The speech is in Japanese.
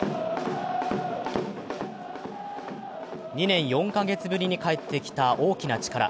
２年４カ月ぶりに帰ってきた大きな力。